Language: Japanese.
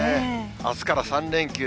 あすから３連休。